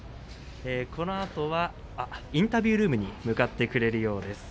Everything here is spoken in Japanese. インタビュールームに向かってくれるようです。